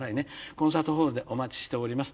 コンサートホールでお待ちしております。